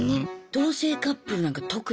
同棲カップルなんか特に。